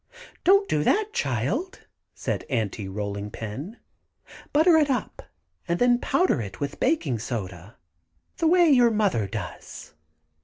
"Don't do that, child," said Aunty Rolling Pin. "Butter it and then powder it with baking soda the way your mother does."